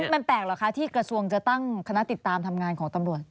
มันแปลกเหรอคะที่กระทรวงจะตั้งคณะติดตามทำงานของตำรวจ